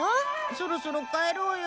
そろそろ帰ろうよ。